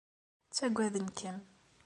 Ttagaden-kem.